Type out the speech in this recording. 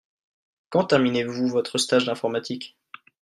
Quand terminez-vous votre stage d'informatique ?